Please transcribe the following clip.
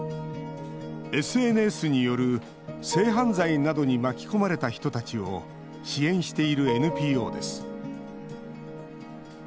ＳＮＳによる性犯罪などに巻き込まれた人たちを支援しているＮＰＯです。